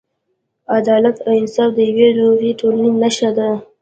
عدالت او انصاف د یوې روغې ټولنې نښه ده.